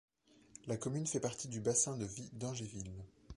La commune fait partie du bassin de vie d'Angerville.